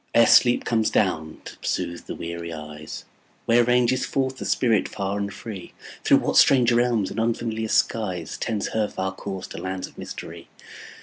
Ere sleep comes down to soothe the weary eyes, Where ranges forth the spirit far and free? Through what strange realms and unfamiliar skies. Tends her far course to lands of mystery?